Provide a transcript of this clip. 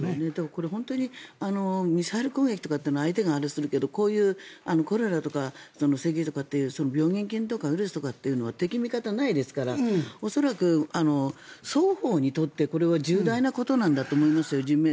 これ、本当にミサイル攻撃は相手があれするけどこういうコレラとか赤痢とか病原菌とかウイルスとか敵味方ないですから恐らく、双方にとってこれは重大なことなんだと思いますよ。